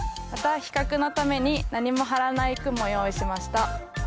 また比較のために何も張らない区も用意しました。